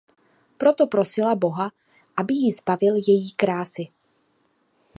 Proto prosila boha aby ji zbavil její krásy.